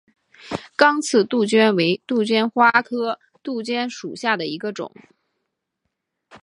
刚刺杜鹃为杜鹃花科杜鹃属下的一个种。